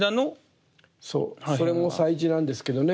そうそれも彩磁なんですけどね